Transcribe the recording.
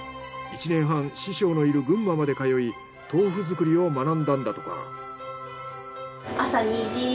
１年半師匠のいる群馬まで通い豆腐作りを学んだんだとか。